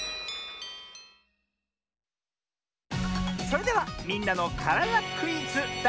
それでは「みんなのからだクイズ」だい３もん！